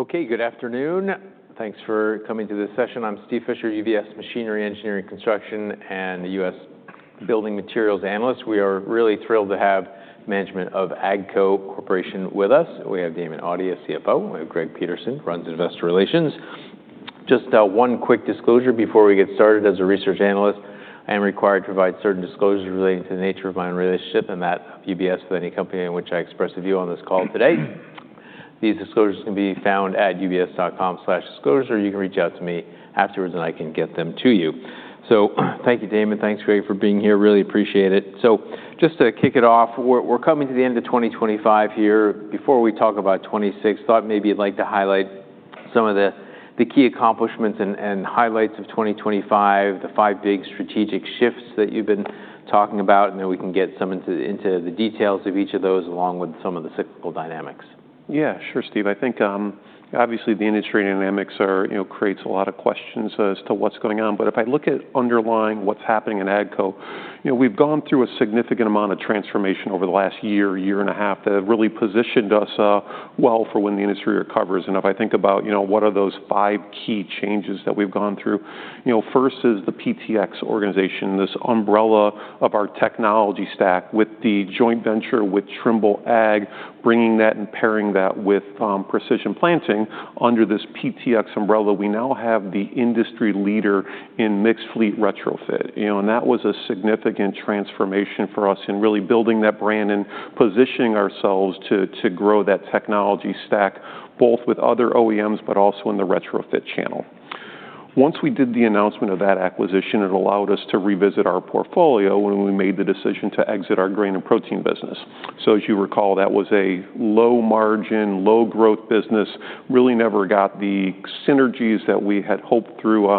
Okay, good afternoon. Thanks for coming to this session. I'm Steve Fisher, UBS Machinery, Engineering, Construction, and U.S. Building Materials Analyst. We are really thrilled to have the management of AGCO Corporation with us. We have Damon Audia, CFO, and Greg Peterson, who runs investor relations. Just one quick disclosure before we get started. As a research analyst, I am required to provide certain disclosures relating to the nature of my own relationship and that of UBS with any company in which I express a view on this call today. These disclosures can be found at UBS.com/disclosures. Or you can reach out to me afterwards, and I can get them to you. So thank you, Damon. Thanks, Greg, for being here. Really appreciate it. So just to kick it off, we're coming to the end of 2025 here. Before we talk about '26, thought maybe you'd like to highlight some of the key accomplishments and highlights of 2025, the five big strategic shifts that you've been talking about, and then we can get some into the details of each of those along with some of the cyclical dynamics. Yeah, sure, Steve. I think, obviously, the industry dynamics create a lot of questions as to what's going on. But if I look at underlying what's happening in AGCO, we've gone through a significant amount of transformation over the last year, year and a half that have really positioned us well for when the industry recovers. And if I think about what are those five key changes that we've gone through, first is the PTx organization, this umbrella of our technology stack with the joint venture with Trimble Ag, bringing that and pairing that with Precision Planting. Under this PTx umbrella, we now have the industry leader in mixed fleet retrofit. And that was a significant transformation for us in really building that brand and positioning ourselves to grow that technology stack, both with other OEMs but also in the retrofit channel. Once we did the announcement of that acquisition, it allowed us to revisit our portfolio when we made the decision to exit our grain and protein business. So as you recall, that was a low-margin, low-growth business, really never got the synergies that we had hoped through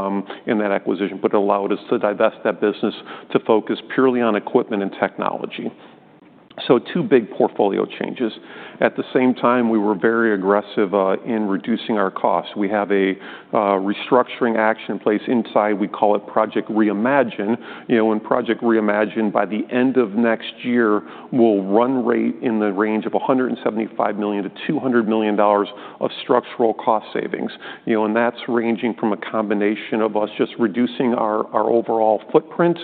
in that acquisition, but it allowed us to divest that business to focus purely on equipment and technology. So two big portfolio changes. At the same time, we were very aggressive in reducing our costs. We have a restructuring action in place inside. We call it Project Reimagine. And Project Reimagine, by the end of next year, will run rate in the range of $175 million-$200 million of structural cost savings. And that's ranging from a combination of us just reducing our overall footprint,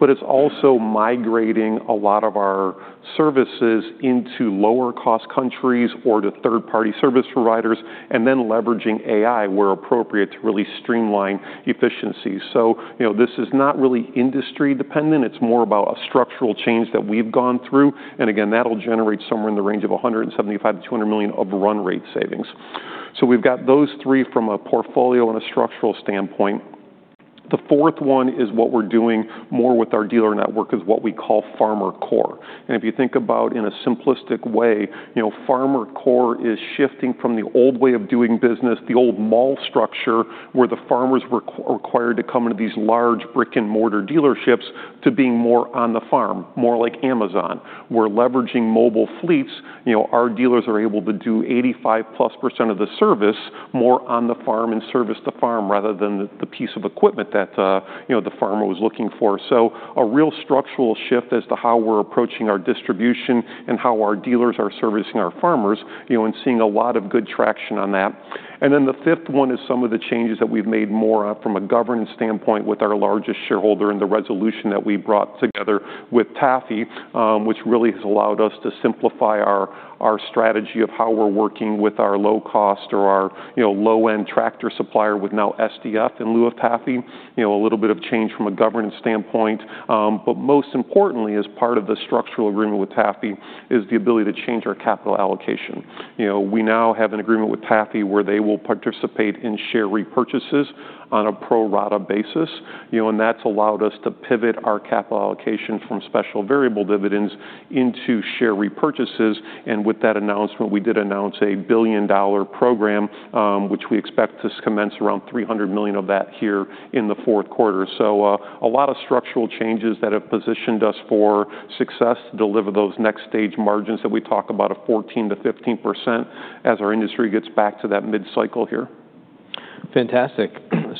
but it's also migrating a lot of our services into lower-cost countries or to third-party service providers, and then leveraging AI where appropriate to really streamline efficiencies. So this is not really industry-dependent. It's more about a structural change that we've gone through. And again, that'll generate somewhere in the range of $175 million-$200 million of run rate savings. So we've got those three from a portfolio and a structural standpoint. The fourth one is what we're doing more with our dealer network is what we call FarmerCore. And if you think about, in a simplistic way, FarmerCore is shifting from the old way of doing business, the old mall structure where the farmers were required to come into these large brick-and-mortar dealerships to being more on the farm, more like Amazon. We're leveraging mobile fleets. Our dealers are able to do 85% plus of the service more on the farm and service the farm rather than the piece of equipment that the farmer was looking for. So a real structural shift as to how we're approaching our distribution and how our dealers are servicing our farmers and seeing a lot of good traction on that. And then the fifth one is some of the changes that we've made more from a governance standpoint with our largest shareholder and the resolution that we brought together with TAFE, which really has allowed us to simplify our strategy of how we're working with our low-cost or our low-end tractor supplier with now SDF in lieu of TAFE. A little bit of change from a governance standpoint. But most importantly, as part of the structural agreement with TAFE, is the ability to change our capital allocation. We now have an agreement with TAFE where they will participate in share repurchases on a pro-rata basis. And that's allowed us to pivot our capital allocation from special variable dividends into share repurchases. And with that announcement, we did announce a $1 billion program, which we expect to commence around $300 million of that here in the fourth quarter. So a lot of structural changes that have positioned us for success to deliver those next-stage margins that we talk about of 14%-15% as our industry gets back to that mid-cycle here. Fantastic.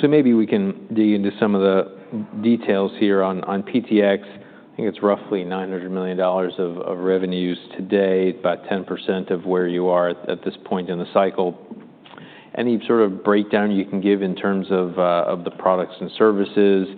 So maybe we can dig into some of the details here on PTx. I think it's roughly $900 million of revenues today, about 10% of where you are at this point in the cycle. Any sort of breakdown you can give in terms of the products and services?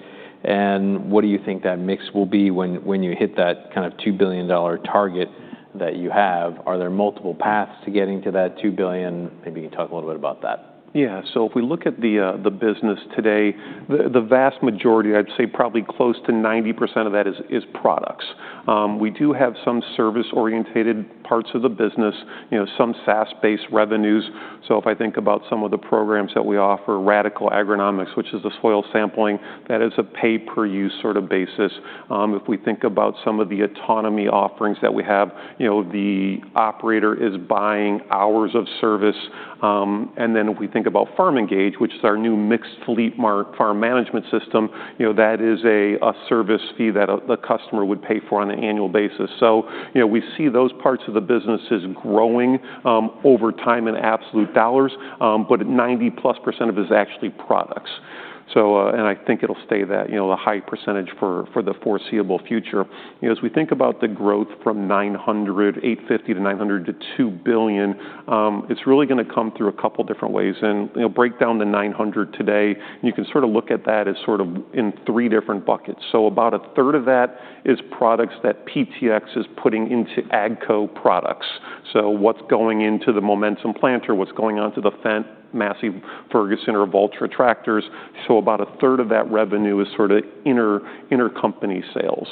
And what do you think that mix will be when you hit that kind of $2 billion target that you have? Are there multiple paths to getting to that $2 billion? Maybe you can talk a little bit about that. Yeah. So if we look at the business today, the vast majority, I'd say probably close to 90% of that is products. We do have some service-oriented parts of the business, some SaaS-based revenues. So if I think about some of the programs that we offer, Radicle Agronomics, which is the soil sampling, that is a pay-per-use sort of basis. If we think about some of the autonomy offerings that we have, the operator is buying hours of service. And then if we think about FarmENGAGE, which is our new mixed fleet farm management system, that is a service fee that the customer would pay for on an annual basis. So we see those parts of the business as growing over time in absolute dollars, but 90% plus of it is actually products. And I think it'll stay that, a high percentage for the foreseeable future. As we think about the growth from $850 to $900 to $2 billion, it's really going to come through a couple of different ways, and break down the $900 today, you can sort of look at that as sort of in three different buckets, so about a third of that is products that PTx is putting into AGCO products, so what's going into the Momentum planter, what's going onto the Fendt, Massey Ferguson, or Valtra tractors, so about a third of that revenue is sort of intercompany sales.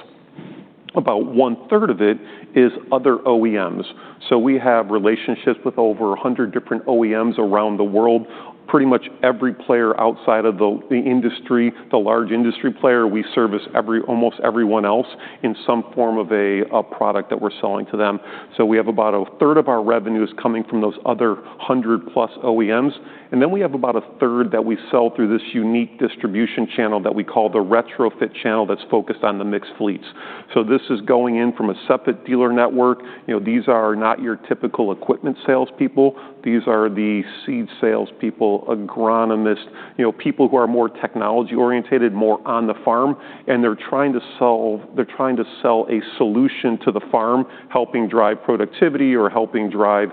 About one-third of it is other OEMs, so we have relationships with over 100 different OEMs around the world. Pretty much every player outside of the industry, the large industry player, we service almost everyone else in some form of a product that we're selling to them, so we have about a third of our revenues coming from those other 100-plus OEMs. And then we have about a third that we sell through this unique distribution channel that we call the retrofit channel that's focused on the mixed fleets. So this is going in from a separate dealer network. These are not your typical equipment salespeople. These are the seed salespeople, agronomists, people who are more technology-orientated, more on the farm. And they're trying to sell a solution to the farm, helping drive productivity or helping drive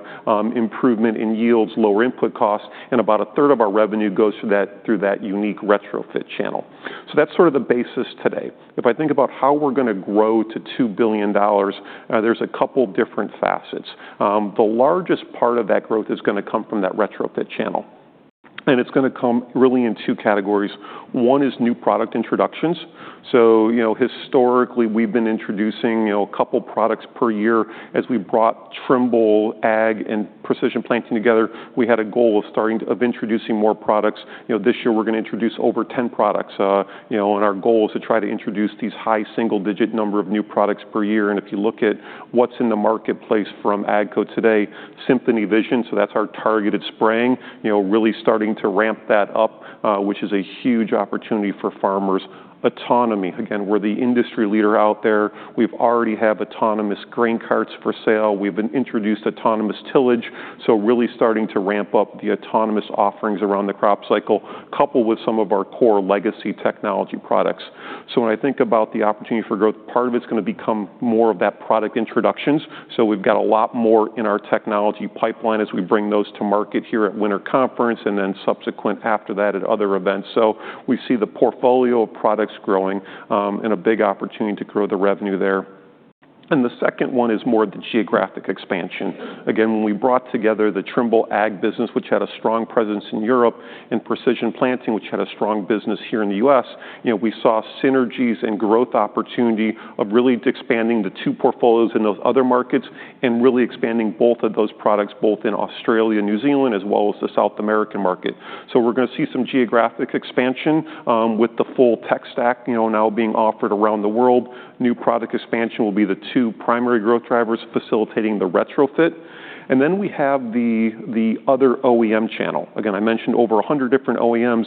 improvement in yields, lower input costs. And about a third of our revenue goes through that unique retrofit channel. So that's sort of the basis today. If I think about how we're going to grow to $2 billion, there's a couple of different facets. The largest part of that growth is going to come from that retrofit channel. And it's going to come really in two categories. One is new product introductions. So historically, we've been introducing a couple of products per year. As we brought Trimble Ag and Precision Planting together, we had a goal of introducing more products. This year, we're going to introduce over 10 products. And our goal is to try to introduce these high single-digit number of new products per year. And if you look at what's in the marketplace from AGCO today, Symphony Vision, so that's our targeted spraying, really starting to ramp that up, which is a huge opportunity for farmers. Autonomy. Again, we're the industry leader out there. We already have autonomous grain carts for sale. We've introduced autonomous tillage. So really starting to ramp up the autonomous offerings around the crop cycle, coupled with some of our core legacy technology products. So when I think about the opportunity for growth, part of it's going to become more of that product introductions. We've got a lot more in our technology pipeline as we bring those to market here at winter conference and then subsequent after that at other events. We see the portfolio of products growing and a big opportunity to grow the revenue there. The second one is more of the geographic expansion. Again, when we brought together the Trimble Ag business, which had a strong presence in Europe, and Precision Planting, which had a strong business here in the U.S., we saw synergies and growth opportunity of really expanding the two portfolios in those other markets and really expanding both of those products, both in Australia and New Zealand, as well as the South American market. We're going to see some geographic expansion with the full tech stack now being offered around the world. New product expansion will be the two primary growth drivers facilitating the retrofit, and then we have the other OEM channel. Again, I mentioned over 100 different OEMs.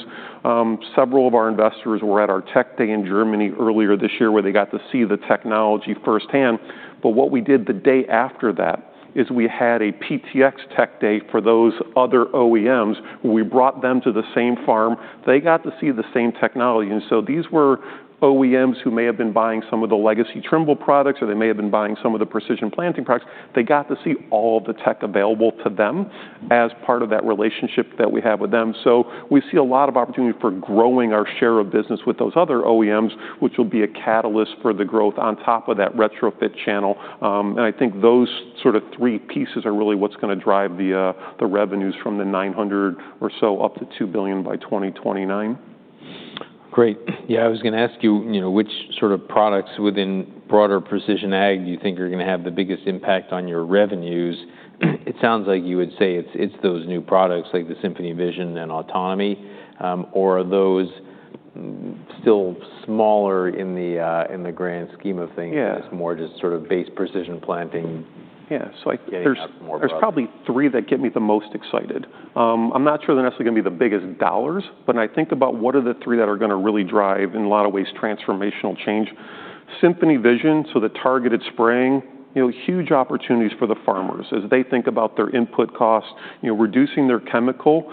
Several of our investors were at our tech day in Germany earlier this year, where they got to see the technology firsthand, but what we did the day after that is we had a PTx tech day for those other OEMs. We brought them to the same farm. They got to see the same technology, and so these were OEMs who may have been buying some of the legacy Trimble products, or they may have been buying some of the precision planting products. They got to see all of the tech available to them as part of that relationship that we have with them. So we see a lot of opportunity for growing our share of business with those other OEMs, which will be a catalyst for the growth on top of that retrofit channel. And I think those sort of three pieces are really what's going to drive the revenues from the $900 or so up to $2 billion by 2029. Great. Yeah, I was going to ask you which sort of products within broader precision ag do you think are going to have the biggest impact on your revenues? It sounds like you would say it's those new products like the Symphony Vision and autonomy. Or are those still smaller in the grand scheme of things? It's more just sort of base precision planting? Yeah. So there's probably three that get me the most excited. I'm not sure they're necessarily going to be the biggest dollars. But I think about what are the three that are going to really drive, in a lot of ways, transformational change. Symphony Vision, so the targeted spraying, huge opportunities for the farmers as they think about their input costs. Reducing their chemical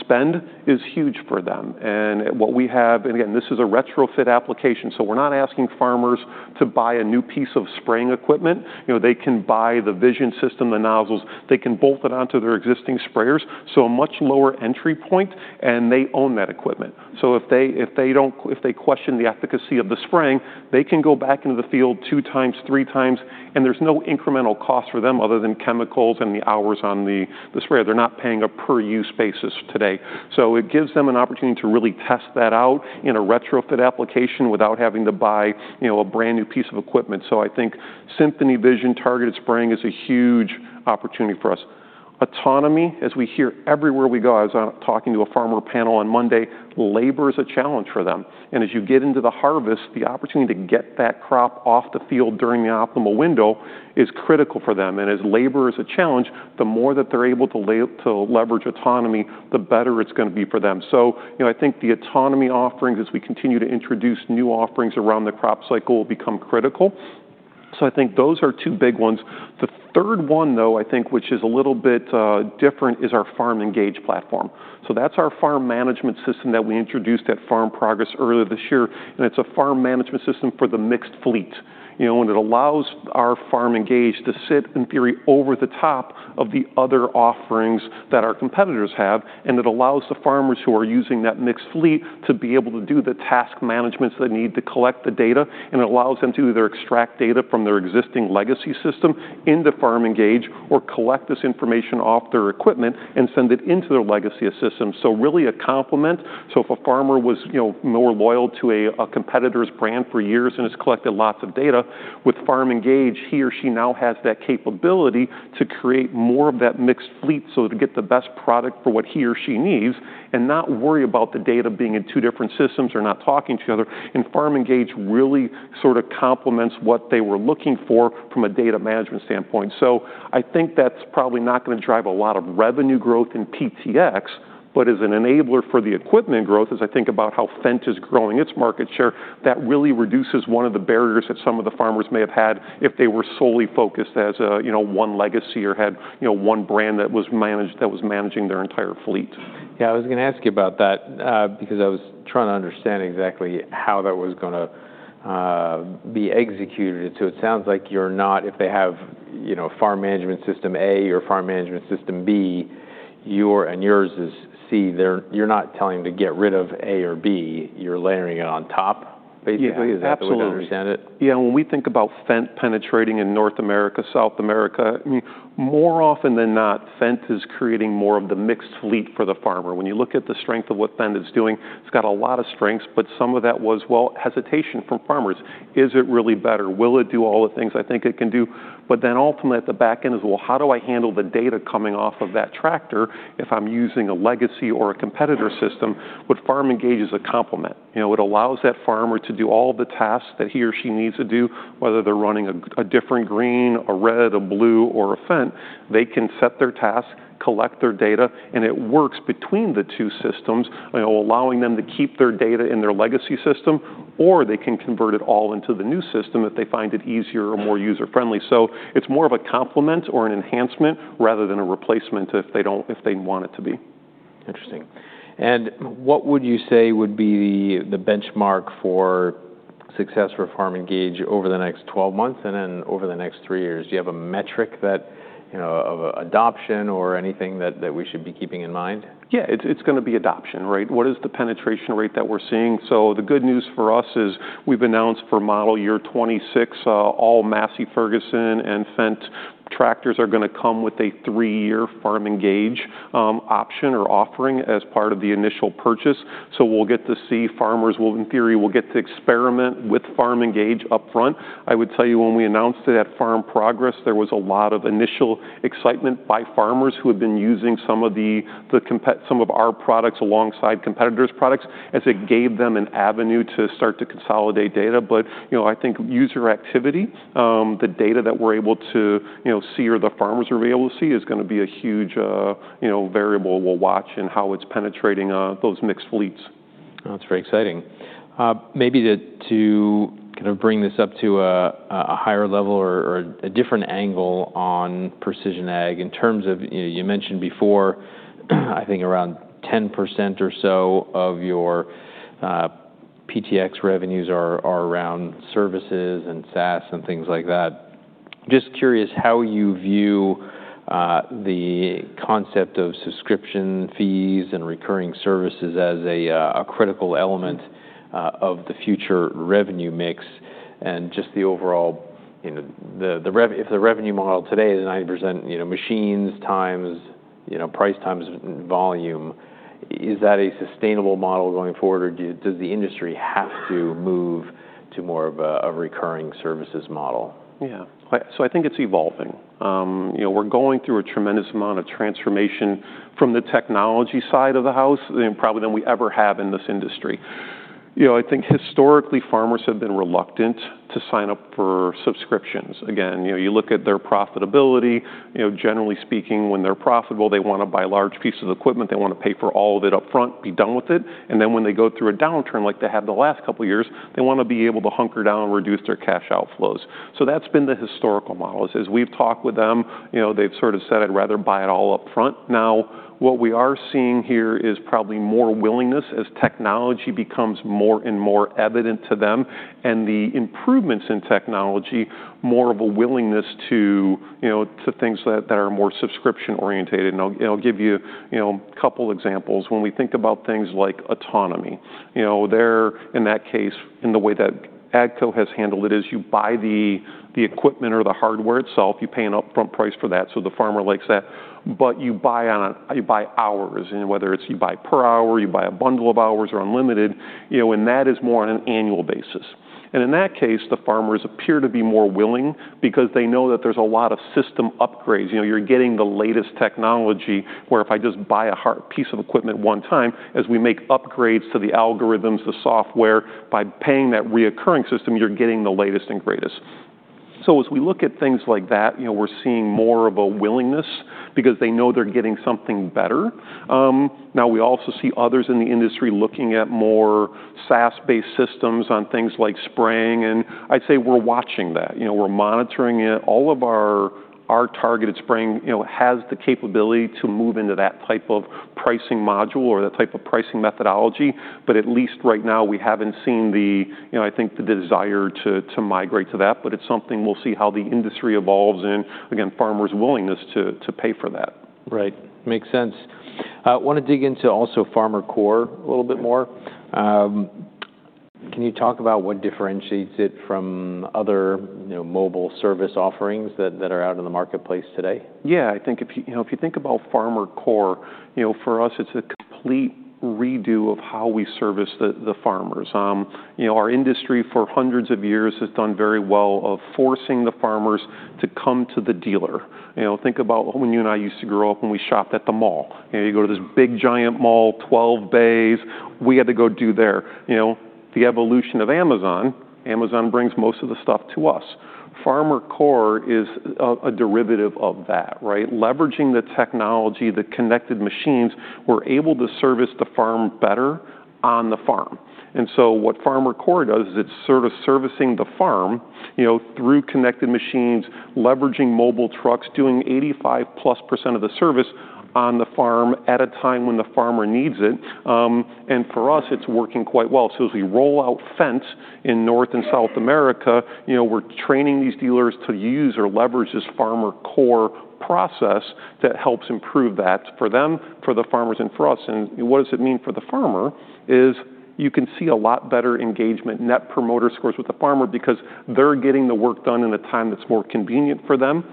spend is huge for them. And what we have, and again, this is a retrofit application, so we're not asking farmers to buy a new piece of spraying equipment. They can buy the vision system, the nozzles. They can bolt it onto their existing sprayers. So a much lower entry point, and they own that equipment. So if they question the efficacy of the spraying, they can go back into the field two times, three times, and there's no incremental cost for them other than chemicals and the hours on the sprayer. They're not paying a per-use basis today. So it gives them an opportunity to really test that out in a retrofit application without having to buy a brand new piece of equipment. So I think Symphony Vision targeted spraying is a huge opportunity for us. Autonomy, as we hear everywhere we go, as I'm talking to a farmer panel on Monday, labor is a challenge for them. And as you get into the harvest, the opportunity to get that crop off the field during the optimal window is critical for them. And as labor is a challenge, the more that they're able to leverage autonomy, the better it's going to be for them. So I think the autonomy offerings, as we continue to introduce new offerings around the crop cycle, will become critical. So I think those are two big ones. The third one, though, I think, which is a little bit different, is our FarmENGAGE platform. So that's our farm management system that we introduced at Farm Progress earlier this year. And it's a farm management system for the mixed fleet. And it allows our FarmENGAGE to sit, in theory, over the top of the other offerings that our competitors have. And it allows the farmers who are using that mixed fleet to be able to do the task management they need to collect the data. And it allows them to either extract data from their existing legacy system into FarmENGAGE or collect this information off their equipment and send it into their legacy system. So really a complement. So if a farmer was more loyal to a competitor's brand for years and has collected lots of data, with FarmENGAGE, he or she now has that capability to create more of that mixed fleet so they get the best product for what he or she needs and not worry about the data being in two different systems or not talking to each other. And FarmENGAGE really sort of complements what they were looking for from a data management standpoint. So I think that's probably not going to drive a lot of revenue growth in PTx, but as an enabler for the equipment growth, as I think about how Fendt is growing its market share, that really reduces one of the barriers that some of the farmers may have had if they were solely focused as one legacy or had one brand that was managing their entire fleet. Yeah, I was going to ask you about that because I was trying to understand exactly how that was going to be executed. So it sounds like you're not, if they have Farm Management System A or Farm Management System B, and yours is C. You're not telling them to get rid of A or B. You're layering it on top, basically, is that fair to understand it? Yeah. When we think about Fendt penetrating in North America, South America, more often than not, Fendt is creating more of the mixed fleet for the farmer. When you look at the strength of what Fendt is doing, it's got a lot of strengths, but some of that was, well, hesitation from farmers. Is it really better? Will it do all the things I think it can do? But then ultimately, at the back end is, well, how do I handle the data coming off of that tractor if I'm using a legacy or a competitor system? But FarmENGAGE is a complement. It allows that farmer to do all the tasks that he or she needs to do, whether they're running a different green, a red, a blue, or a Fendt. They can set their task, collect their data, and it works between the two systems, allowing them to keep their data in their legacy system, or they can convert it all into the new system if they find it easier or more user-friendly. So it's more of a complement or an enhancement rather than a replacement if they want it to be. Interesting. And what would you say would be the benchmark for success for FarmENGAGE over the next 12 months and then over the next three years? Do you have a metric of adoption or anything that we should be keeping in mind? Yeah, it's going to be adoption, right? What is the penetration rate that we're seeing? So the good news for us is we've announced for model year 2026, all Massey Ferguson and Fendt tractors are going to come with a three-year FarmENGAGE option or offering as part of the initial purchase. So we'll get to see farmers. In theory, we'll get to experiment with FarmENGAGE upfront. I would tell you when we announced it at Farm Progress, there was a lot of initial excitement by farmers who had been using some of our products alongside competitors' products as it gave them an avenue to start to consolidate data. But I think user activity, the data that we're able to see or the farmers are able to see is going to be a huge variable we'll watch and how it's penetrating those mixed fleets. That's very exciting. Maybe to kind of bring this up to a higher level or a different angle on precision ag, in terms of you mentioned before, I think around 10% or so of your PTx revenues are around services and SaaS and things like that. Just curious how you view the concept of subscription fees and recurring services as a critical element of the future revenue mix and just the overall, if the revenue model today is 90% machines times price times volume, is that a sustainable model going forward, or does the industry have to move to more of a recurring services model? Yeah. So I think it's evolving. We're going through a tremendous amount of transformation from the technology side of the house than we ever have in this industry. I think historically, farmers have been reluctant to sign up for subscriptions. Again, you look at their profitability. Generally speaking, when they're profitable, they want to buy large pieces of equipment. They want to pay for all of it upfront, be done with it. And then when they go through a downturn like they had the last couple of years, they want to be able to hunker down and reduce their cash outflows. So that's been the historical model. As we've talked with them, they've sort of said, "I'd rather buy it all upfront." Now, what we are seeing here is probably more willingness as technology becomes more and more evident to them and the improvements in technology, more of a willingness to things that are more subscription-oriented. And I'll give you a couple of examples. When we think about things like autonomy, there, in that case, in the way that AGCO has handled it, is you buy the equipment or the hardware itself. You pay an upfront price for that, so the farmer likes that. But you buy hours. And whether it's you buy per hour, you buy a bundle of hours or unlimited, and that is more on an annual basis. And in that case, the farmers appear to be more willing because they know that there's a lot of system upgrades. You're getting the latest technology where if I just buy a piece of equipment one time, as we make upgrades to the algorithms, the software, by paying that recurring system, you're getting the latest and greatest. So as we look at things like that, we're seeing more of a willingness because they know they're getting something better. Now, we also see others in the industry looking at more SaaS-based systems on things like spraying. And I'd say we're watching that. We're monitoring it. All of our targeted spraying has the capability to move into that type of pricing model or that type of pricing methodology. But at least right now, we haven't seen, I think, the desire to migrate to that. But it's something we'll see how the industry evolves and, again, farmers' willingness to pay for that. Right. Makes sense. I want to dig into also FarmerCore a little bit more. Can you talk about what differentiates it from other mobile service offerings that are out in the marketplace today? Yeah. I think if you think about FarmerCore, for us, it's a complete redo of how we service the farmers. Our industry for hundreds of years has done very well of forcing the farmers to come to the dealer. Think about when you and I used to grow up and we shopped at the mall. You go to this big, giant mall, 12 bays. We had to go down there. The evolution of Amazon, Amazon brings most of the stuff to us. FarmerCore is a derivative of that, right? Leveraging the technology, the connected machines, we're able to service the farm better on the farm. And so what FarmerCore does is it's sort of servicing the farm through connected machines, leveraging mobile trucks, doing 85% plus of the service on the farm at a time when the farmer needs it. And for us, it's working quite well. So as we roll out Fendt in North and South America, we're training these dealers to use or leverage this FarmerCore process that helps improve that for them, for the farmers, and for us. And what does it mean for the farmer is you can see a lot better engagement, net promoter scores with the farmer because they're getting the work done in a time that's more convenient for them.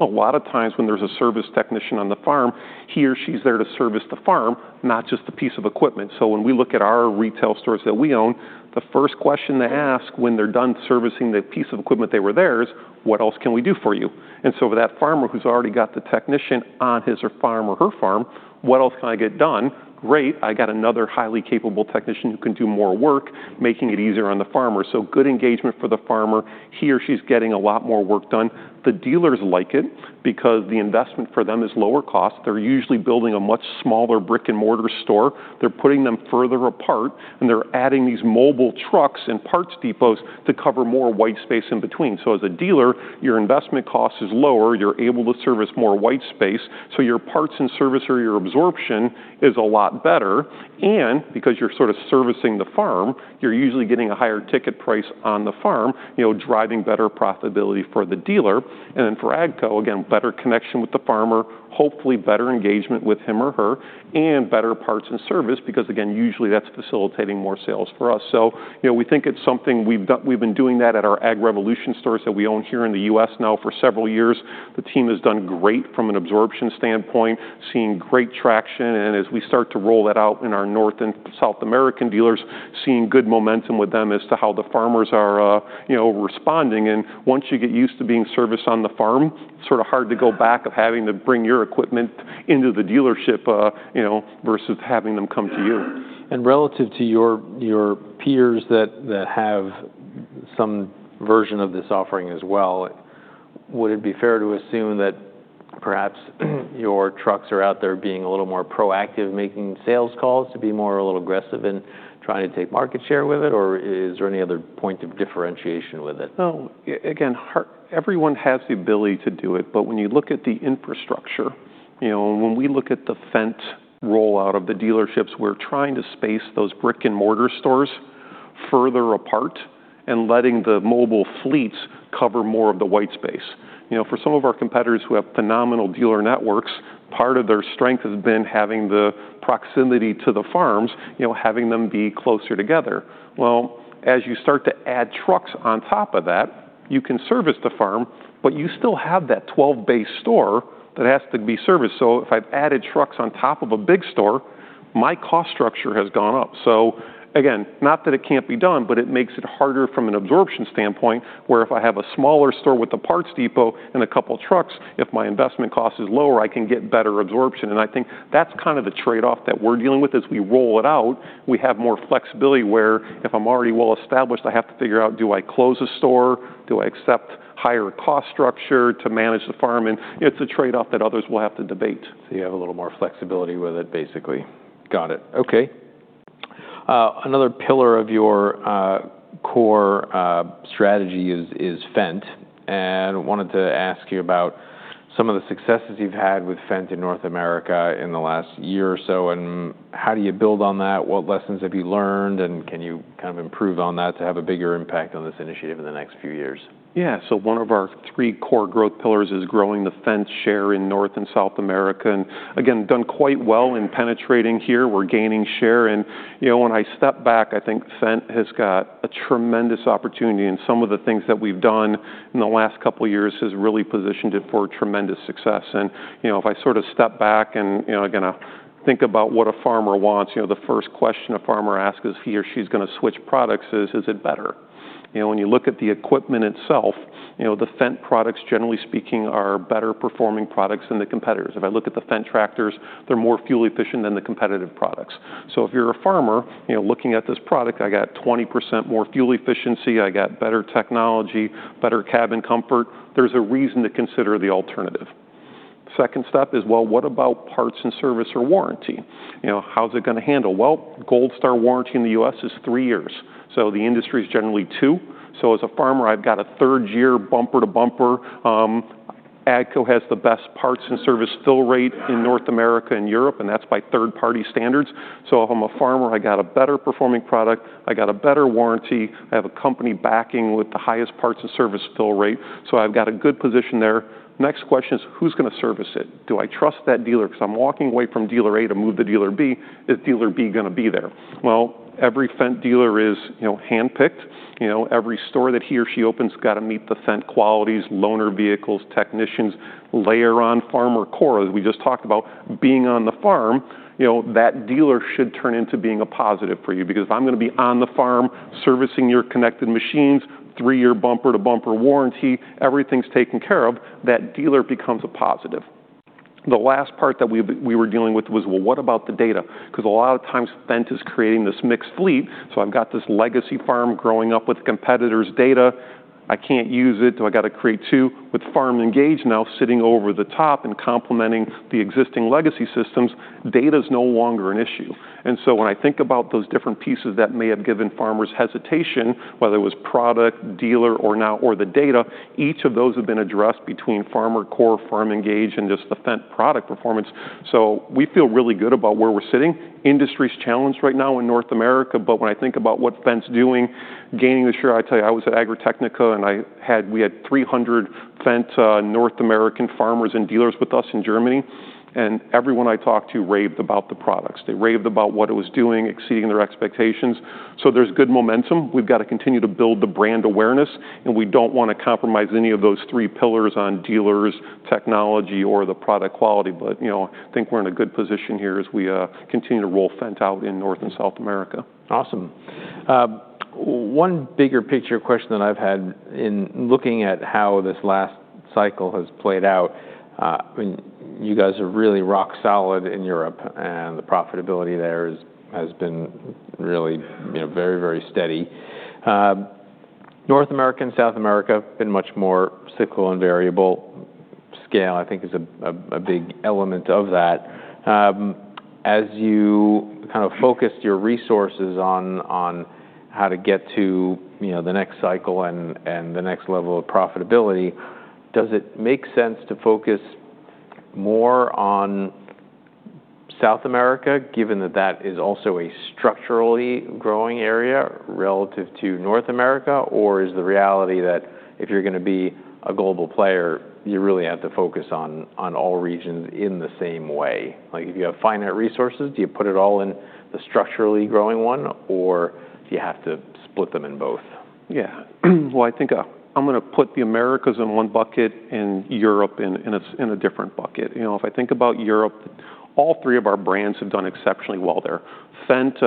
A lot of times when there's a service technician on the farm, he or she's there to service the farm, not just the piece of equipment. So when we look at our retail stores that we own, the first question they ask when they're done servicing the piece of equipment they were there for is, "What else can we do for you?" And so for that farmer who's already got the technician on his or her farm, what else can I get done? Great. I got another highly capable technician who can do more work, making it easier on the farmer. So good engagement for the farmer. He or she's getting a lot more work done. The dealers like it because the investment for them is lower cost. They're usually building a much smaller brick-and-mortar store. They're putting them further apart, and they're adding these mobile trucks and parts depots to cover more white space in between. So as a dealer, your investment cost is lower. You're able to service more white space. So your parts and service or your absorption is a lot better. And because you're sort of servicing the farm, you're usually getting a higher ticket price on the farm, driving better profitability for the dealer. And then for AGCO, again, better connection with the farmer, hopefully better engagement with him or her, and better parts and service because, again, usually that's facilitating more sales for us. So we think it's something we've been doing that at our Ag Revolution stores that we own here in the U.S. now for several years. The team has done great from an absorption standpoint, seeing great traction. And as we start to roll that out in our North and South American dealers, seeing good momentum with them as to how the farmers are responding. Once you get used to being serviced on the farm, it's sort of hard to go back to having to bring your equipment into the dealership versus having them come to you. Relative to your peers that have some version of this offering as well, would it be fair to assume that perhaps your trucks are out there being a little more proactive, making sales calls to be more a little aggressive and trying to take market share with it, or is there any other point of differentiation with it? No. Again, everyone has the ability to do it. But when you look at the infrastructure, when we look at the Fendt rollout of the dealerships, we're trying to space those brick-and-mortar stores further apart and letting the mobile fleets cover more of the white space. For some of our competitors who have phenomenal dealer networks, part of their strength has been having the proximity to the farms, having them be closer together. Well, as you start to add trucks on top of that, you can service the farm, but you still have that 12-bay store that has to be serviced. So if I've added trucks on top of a big store, my cost structure has gone up. So again, not that it can't be done, but it makes it harder from an absorption standpoint where if I have a smaller store with a parts depot and a couple of trucks, if my investment cost is lower, I can get better absorption. And I think that's kind of the trade-off that we're dealing with as we roll it out. We have more flexibility where if I'm already well-established, I have to figure out, do I close a store? Do I accept a higher cost structure to manage the farm? And it's a trade-off that others will have to debate. So you have a little more flexibility with it, basically. Got it. Okay. Another pillar of your core strategy is Fendt. And I wanted to ask you about some of the successes you've had with Fendt in North America in the last year or so. And how do you build on that? What lessons have you learned? And can you kind of improve on that to have a bigger impact on this initiative in the next few years? Yeah. So one of our three core growth pillars is growing the Fendt share in North and South America. And again, done quite well in penetrating here. We're gaining share. And when I step back, I think Fendt has got a tremendous opportunity. And some of the things that we've done in the last couple of years has really positioned it for tremendous success. And if I sort of step back and, again, think about what a farmer wants, the first question a farmer asks as he or she's going to switch products is, is it better? When you look at the equipment itself, the Fendt products, generally speaking, are better-performing products than the competitors. If I look at the Fendt tractors, they're more fuel-efficient than the competitive products. So if you're a farmer looking at this product, I got 20% more fuel efficiency. I got better technology, better cabin comfort. There's a reason to consider the alternative. Second step is, well, what about parts and service or warranty? How's it going to handle? Well, Gold Star warranty in the U.S. is three years. So the industry is generally two. So as a farmer, I've got a third-year bumper-to-bumper. AGCO has the best parts and service fill rate in North America and Europe, and that's by third-party standards. So if I'm a farmer, I got a better-performing product. I got a better warranty. I have a company backing with the highest parts and service fill rate. So I've got a good position there. Next question is, who's going to service it? Do I trust that dealer? Because I'm walking away from dealer A to move to dealer B. Is dealer B going to be there? Well, every Fendt dealer is handpicked. Every store that he or she opens has got to meet the Fendt qualities, loaner vehicles, technicians, layer on FarmerCore, as we just talked about, being on the farm. That dealer should turn into being a positive for you because if I'm going to be on the farm servicing your connected machines, three-year bumper-to-bumper warranty, everything's taken care of, that dealer becomes a positive. The last part that we were dealing with was, well, what about the data? Because a lot of times Fendt is creating this mixed fleet. So I've got this legacy farm growing up with competitors' data. I can't use it. Do I got to create two? With FarmENGAGE now sitting over the top and complementing the existing legacy systems, data is no longer an issue. And so when I think about those different pieces that may have given farmers hesitation, whether it was product, dealer, or now the data, each of those have been addressed between FarmerCore, FarmENGAGE, and just the Fendt product performance. So we feel really good about where we're sitting. Industry's challenged right now in North America. But when I think about what Fendt's doing, gaining the share, I tell you, I was at Agritechnica and we had 300 Fendt North American farmers and dealers with us in Germany. And everyone I talked to raved about the products. They raved about what it was doing, exceeding their expectations. So there's good momentum. We've got to continue to build the brand awareness. And we don't want to compromise any of those three pillars on dealers, technology, or the product quality. But I think we're in a good position here as we continue to roll Fendt out in North and South America. Awesome. One bigger picture question that I've had in looking at how this last cycle has played out, you guys are really rock solid in Europe. And the profitability there has been really very, very steady. North America and South America have been much more cyclical and variable. Scale, I think, is a big element of that. As you kind of focused your resources on how to get to the next cycle and the next level of profitability, does it make sense to focus more on South America, given that that is also a structurally growing area relative to North America? Or is the reality that if you're going to be a global player, you really have to focus on all regions in the same way? If you have finite resources, do you put it all in the structurally growing one, or do you have to split them in both? Yeah. Well, I think I'm going to put the Americas in one bucket and Europe in a different bucket. If I think about Europe, all three of our brands have done exceptionally well there. Fendt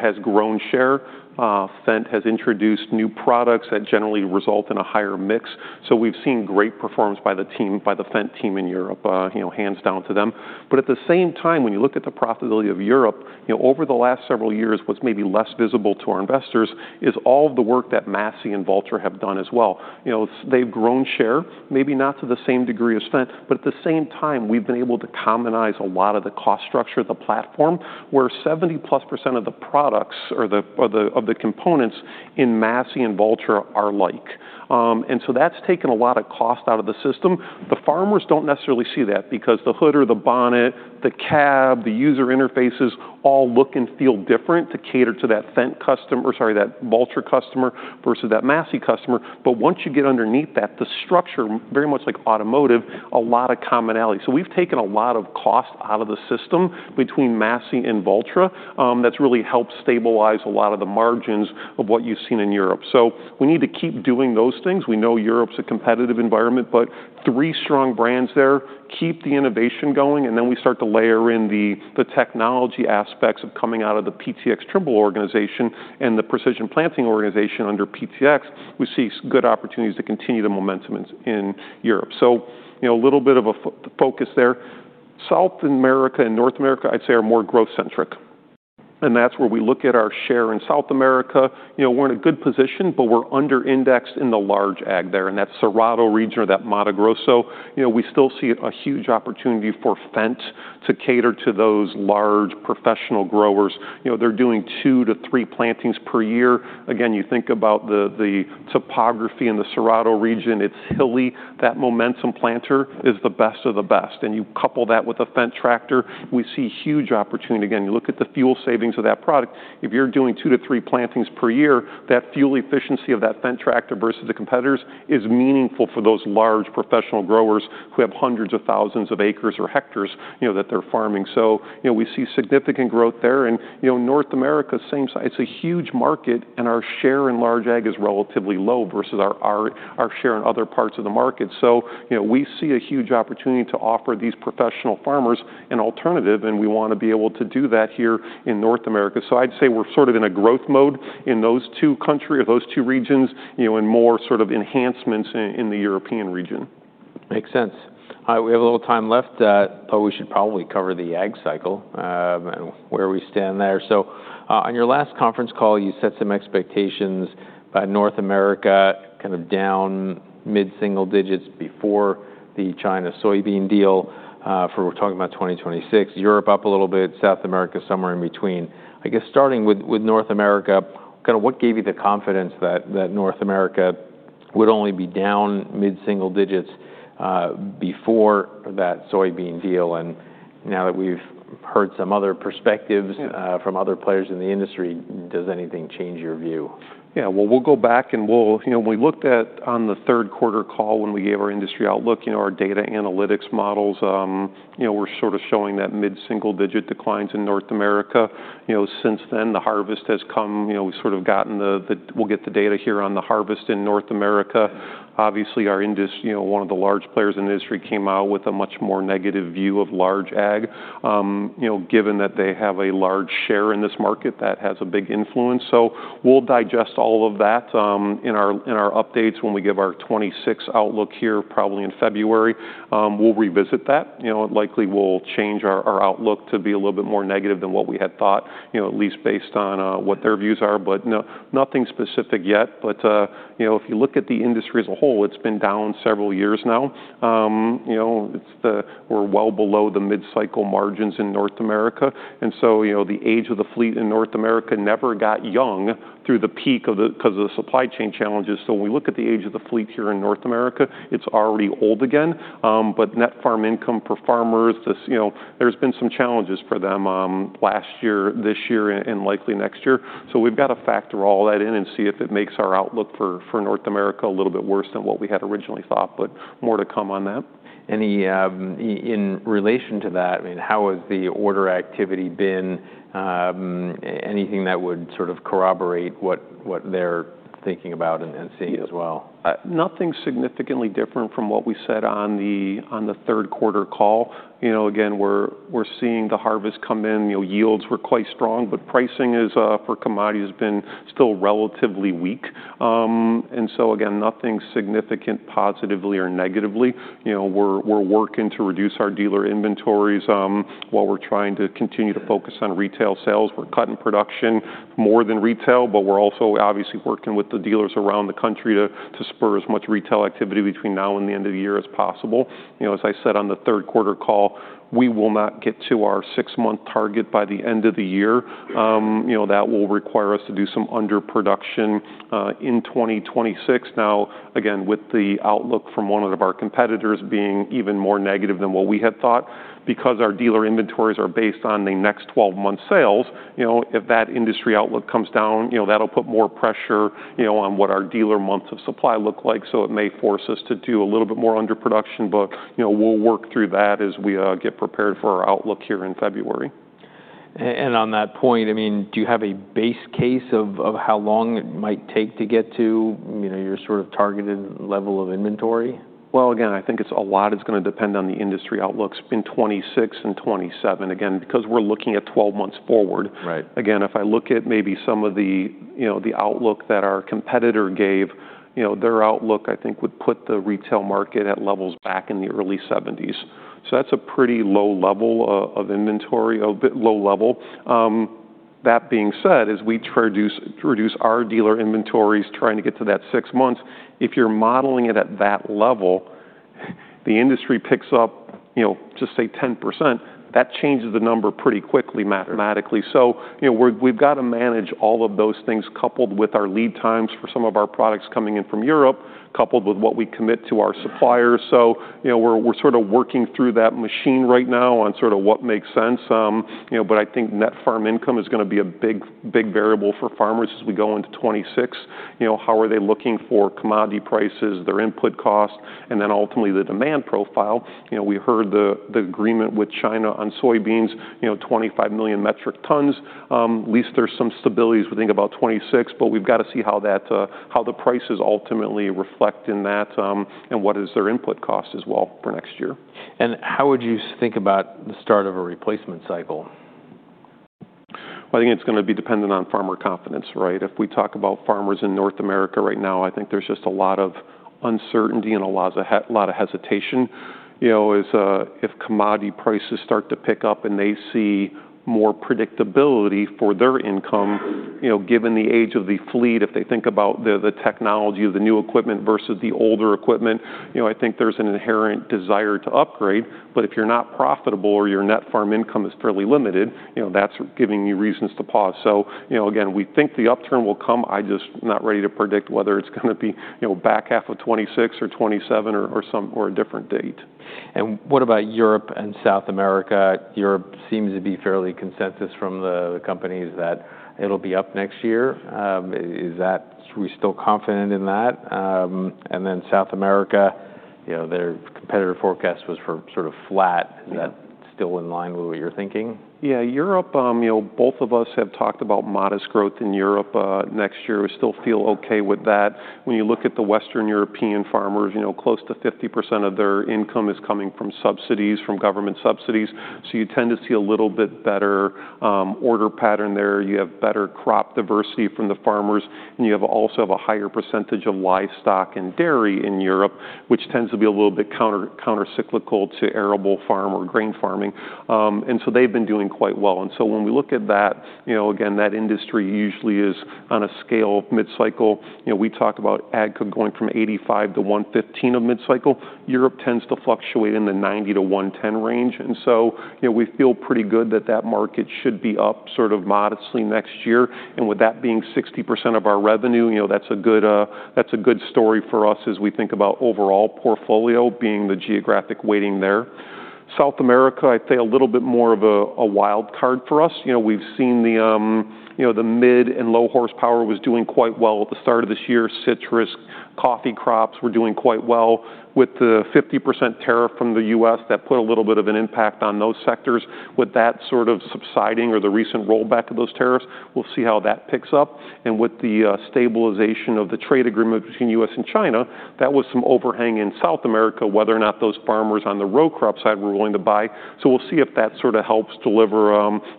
has grown share. Fendt has introduced new products that generally result in a higher mix. So we've seen great performance by the team, by the Fendt team in Europe, hands down to them. But at the same time, when you look at the profitability of Europe, over the last several years, what's maybe less visible to our investors is all of the work that Massey and Valtra have done as well. They've grown share, maybe not to the same degree as Fendt. But at the same time, we've been able to commonize a lot of the cost structure, the platform, where 70% plus of the products or of the components in Massey and Valtra are like. And so that's taken a lot of cost out of the system. The farmers don't necessarily see that because the hood or the bonnet, the cab, the user interfaces all look and feel different to cater to that Fendt customer or, sorry, that Valtra customer versus that Massey customer. But once you get underneath that, the structure, very much like automotive, a lot of commonality. So we've taken a lot of cost out of the system between Massey and Valtra that's really helped stabilize a lot of the margins of what you've seen in Europe. So we need to keep doing those things. We know Europe's a competitive environment, but three strong brands there, keep the innovation going, and then we start to layer in the technology aspects of coming out of the PTx Trimble organization and the Precision Planting organization under PTx. We see good opportunities to continue the momentum in Europe. So a little bit of a focus there. South America and North America, I'd say, are more growth-centric. And that's where we look at our share in South America. We're in a good position, but we're under-indexed in the large ag there. And that's Cerrado region or that Mato Grosso. We still see a huge opportunity for Fendt to cater to those large professional growers. They're doing two to three plantings per year. Again, you think about the topography in the Cerrado region. It's hilly. That Momentum planter is the best of the best. And you couple that with a Fendt tractor. We see huge opportunity. Again, you look at the fuel savings of that product. If you're doing two to three plantings per year, that fuel efficiency of that Fendt tractor versus the competitors is meaningful for those large professional growers who have hundreds of thousands of acres or hectares that they're farming. So we see significant growth there. And North America, same side, it's a huge market, and our share in large ag is relatively low versus our share in other parts of the market. So we see a huge opportunity to offer these professional farmers an alternative, and we want to be able to do that here in North America. So I'd say we're sort of in a growth mode in those two countries or those two regions and more sort of enhancements in the European region. Makes sense. We have a little time left, but we should probably cover the ag cycle and where we stand there. So on your last conference call, you set some expectations by North America kind of down mid-single digits before the China soybean deal for 2026. We're talking about Europe up a little bit, South America somewhere in between. I guess starting with North America, kind of what gave you the confidence that North America would only be down mid-single digits before that soybean deal? And now that we've heard some other perspectives from other players in the industry, does anything change your view? Yeah. Well, we'll go back and, when we looked at on the third quarter call when we gave our industry outlook, our data analytics models, we're sort of showing that mid-single-digit declines in North America. Since then, the harvest has come. We've sort of gotten the. We'll get the data here on the harvest in North America. Obviously, one of the large players in the industry came out with a much more negative view of large ag, given that they have a large share in this market that has a big influence. So we'll digest all of that in our updates when we give our 2026 outlook here, probably in February. We'll revisit that. Likely, we'll change our outlook to be a little bit more negative than what we had thought, at least based on what their views are. But nothing specific yet. But if you look at the industry as a whole, it's been down several years now. We're well below the mid-cycle margins in North America, and so the age of the fleet in North America never got young through the peak because of the supply chain challenges. So when we look at the age of the fleet here in North America, it's already old again. But net farm income for farmers, there's been some challenges for them last year, this year, and likely next year. So we've got to factor all that in and see if it makes our outlook for North America a little bit worse than what we had originally thought, but more to come on that. And in relation to that, I mean, how has the order activity been? Anything that would sort of corroborate what they're thinking about and seeing as well? Nothing significantly different from what we said on the third quarter call. Again, we're seeing the harvest come in. Yields were quite strong, but pricing for commodities has been still relatively weak, and so again, nothing significant positively or negatively. We're working to reduce our dealer inventories while we're trying to continue to focus on retail sales. We're cutting production more than retail, but we're also obviously working with the dealers around the country to spur as much retail activity between now and the end of the year as possible. As I said on the third quarter call, we will not get to our six-month target by the end of the year. That will require us to do some underproduction in 2026. Now, again, with the outlook from one of our competitors being even more negative than what we had thought, because our dealer inventories are based on the next 12-month sales, if that industry outlook comes down, that'll put more pressure on what our dealer months of supply look like. So it may force us to do a little bit more underproduction, but we'll work through that as we get prepared for our outlook here in February. On that point, I mean, do you have a base case of how long it might take to get to your sort of targeted level of inventory? Again, I think a lot is going to depend on the industry outlooks in 2026 and 2027, again, because we're looking at 12 months forward. Again, if I look at maybe some of the outlook that our competitor gave, their outlook, I think, would put the retail market at levels back in the early 1970s. So that's a pretty low level of inventory, a bit low level. That being said, as we produce our dealer inventories, trying to get to that six months, if you're modeling it at that level, the industry picks up, just say, 10%, that changes the number pretty quickly mathematically. So we've got to manage all of those things coupled with our lead times for some of our products coming in from Europe, coupled with what we commit to our suppliers. So we're sort of working through that machine right now on sort of what makes sense. But I think net farm income is going to be a big variable for farmers as we go into 2026. How are they looking for commodity prices, their input cost, and then ultimately the demand profile? We heard the agreement with China on soybeans, 25 million metric tons. At least there's some stabilities. We think about 2026, but we've got to see how the prices ultimately reflect in that and what is their input cost as well for next year. How would you think about the start of a replacement cycle? I think it's going to be dependent on farmer confidence, right? If we talk about farmers in North America right now, I think there's just a lot of uncertainty and a lot of hesitation. If commodity prices start to pick up and they see more predictability for their income, given the age of the fleet, if they think about the technology of the new equipment versus the older equipment, I think there's an inherent desire to upgrade. But if you're not profitable or your net farm income is fairly limited, that's giving you reasons to pause. So again, we think the upturn will come. I'm just not ready to predict whether it's going to be back half of 2026 or 2027 or a different date. And what about Europe and South America? Europe seems to be fairly consensus from the companies that it'll be up next year. Are we still confident in that? And then South America, their competitor forecast was for sort of flat. Is that still in line with what you're thinking? Yeah. Europe, both of us have talked about modest growth in Europe next year. We still feel okay with that. When you look at the Western European farmers, close to 50% of their income is coming from subsidies, from government subsidies. So you tend to see a little bit better order pattern there. You have better crop diversity from the farmers, and you also have a higher percentage of livestock and dairy in Europe, which tends to be a little bit countercyclical to arable farm or grain farming. And so they've been doing quite well. And so when we look at that, again, that industry usually is on a scale of mid-cycle. We talk about ag going from 85-115 of mid-cycle. Europe tends to fluctuate in the 90-110 range. And so we feel pretty good that that market should be up sort of modestly next year. With that being 60% of our revenue, that's a good story for us as we think about overall portfolio being the geographic weighting there. South America, I'd say a little bit more of a wild card for us. We've seen the mid and low horsepower was doing quite well at the start of this year. Citrus, coffee crops were doing quite well with the 50% tariff from the U.S. That put a little bit of an impact on those sectors. With that sort of subsiding or the recent rollback of those tariffs, we'll see how that picks up. And with the stabilization of the trade agreement between U.S. and China, that was some overhang in South America, whether or not those farmers on the row crop side were willing to buy. So we'll see if that sort of helps deliver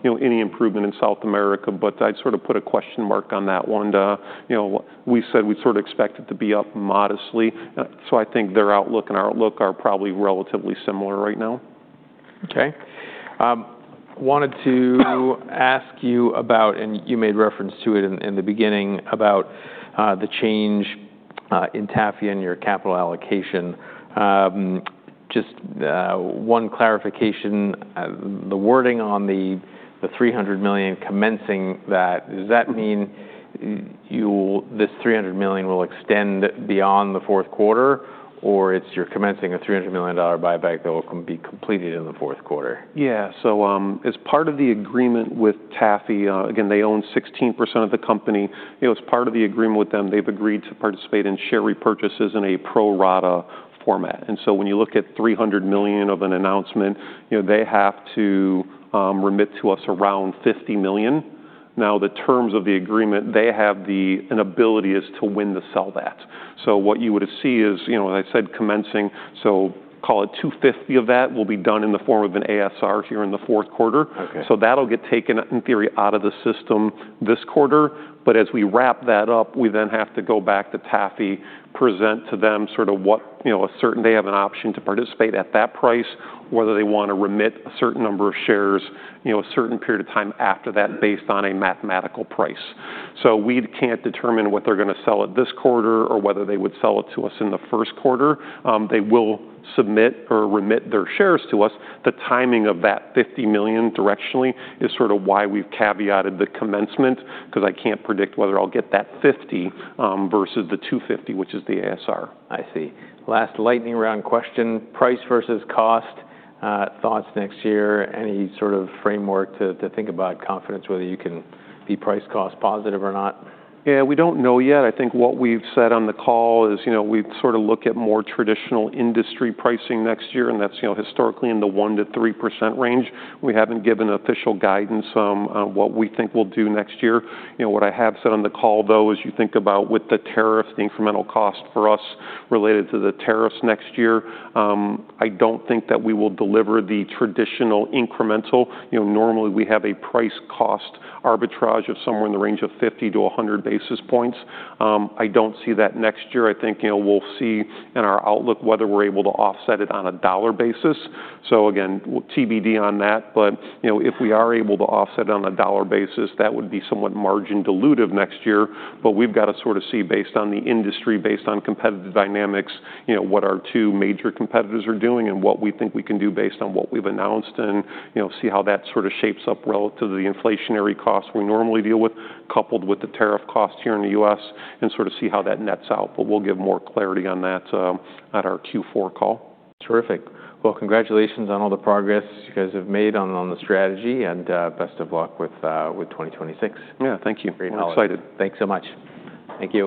any improvement in South America. But I'd sort of put a question mark on that one. We said we sort of expect it to be up modestly. So I think their outlook and our outlook are probably relatively similar right now. Okay. Wanted to ask you about, and you made reference to it in the beginning, about the change in TAFE and your capital allocation. Just one clarification. The wording on the $300 million commencing that, does that mean this $300 million will extend beyond the fourth quarter, or it's you're commencing a $300 million buyback that will be completed in the fourth quarter? Yeah. So as part of the agreement with TAFE, again, they own 16% of the company. As part of the agreement with them, they've agreed to participate in share repurchases in a pro-rata format. And so when you look at $300 million of an announcement, they have to remit to us around $50 million. Now, the terms of the agreement, they have the ability to win the sell-back. So what you would see is, as I said, commencing, so call it $250 million of that will be done in the form of an ASR here in the fourth quarter. So that'll get taken, in theory, out of the system this quarter. As we wrap that up, we then have to go back to TAFE, present to them sort of what scenario they have an option to participate at that price, whether they want to remit a certain number of shares a certain period of time after that based on a market price. So we can't determine what they're going to sell in this quarter or whether they would sell it to us in the first quarter. They will submit or remit their shares to us. The timing of that $50 million directionally is sort of why we've caveated the commencement, because I can't predict whether I'll get that $50 million versus the $250 million, which is the ASR. I see. Last lightning round question, price versus cost thoughts next year, any sort of framework to think about confidence, whether you can be price-cost positive or not? Yeah, we don't know yet. I think what we've said on the call is we sort of look at more traditional industry pricing next year, and that's historically in the 1%-3% range. We haven't given official guidance on what we think we'll do next year. What I have said on the call, though, as you think about with the tariffs, the incremental cost for us related to the tariffs next year, I don't think that we will deliver the traditional incremental. Normally, we have a price-cost arbitrage of somewhere in the range of 50-100 basis points. I don't see that next year. I think we'll see in our outlook whether we're able to offset it on a dollar basis. So again, TBD on that. But if we are able to offset it on a dollar basis, that would be somewhat margin-dilutive next year. But we've got to sort of see, based on the industry, based on competitive dynamics, what our two major competitors are doing and what we think we can do based on what we've announced, and see how that sort of shapes up relative to the inflationary costs we normally deal with, coupled with the tariff costs here in the U.S., and sort of see how that nets out. But we'll give more clarity on that at our Q4 call. Terrific. Well, congratulations on all the progress you guys have made on the strategy and best of luck with 2026. Yeah, thank you. I'm excited. Thanks so much. Thank you.